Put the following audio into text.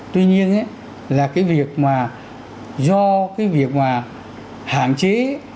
tuy nhiên là cái việc mà do cái việc mà hạn chế